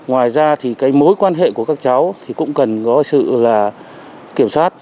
ngoài ra thì mối quan hệ của các cháu cũng cần có sự kiểm soát